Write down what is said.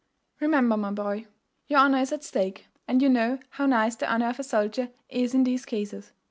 Remember, my boy, your honour is at stake; and you know how nice the honour of a soldier is in these cases.